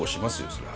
そりゃ。